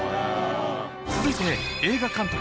続いて映画監督